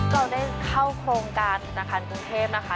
เราได้เข้าโครงการธนาคารกรุงเทพนะคะ